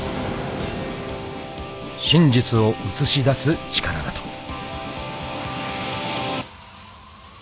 ［真実を写し出す力だと］